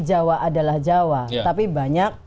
jawa adalah jawa tapi banyak